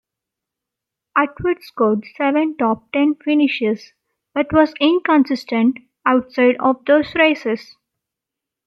Atwood scored seven top ten finishes, but was inconsistent outside of those races.